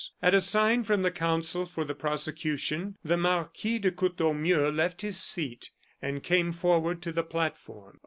At a sign from the counsel for the prosecution, the Marquis de Courtornieu left his seat and came forward to the platform.